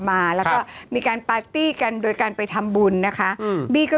มาแล้วก็มีการตีกันโดยการไปทำบุญนะคะมงบีก็